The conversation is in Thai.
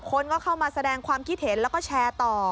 คนก็เข้ามาแสดงความคิดเห็นแล้วก็แชร์ต่อ